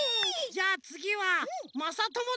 じゃあつぎはまさともだね。